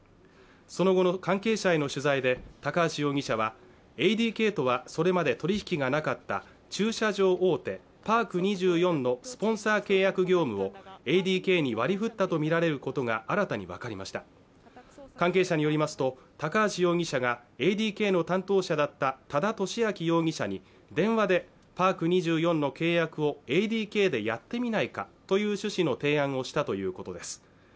その後の関係者への取材で高橋容疑者はＡＤＫとはそれまで取引がなかった駐車場大手パーク２４のスポンサー契約業務をＡＤＫに割り振ったと見られることが新たに分かりました関係者によりますと高橋容疑者がＡＤＫの担当者だった多田俊明容疑者に電話でパーク２４の契約をＡＤＫでやってみないかという趣旨の提案をしたということです